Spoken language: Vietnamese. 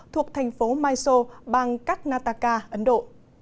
thuộc thành phố mysore bang karnataka ấn độ